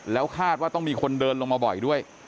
แล้วคาดว่าต้องมีคนเดินลงมาบ่อยด้วย